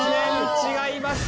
違います。